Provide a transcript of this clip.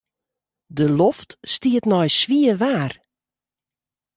De loft stiet nei swier waar.